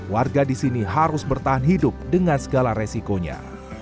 warga di sini harus bertahan hidup dengan segala resikonya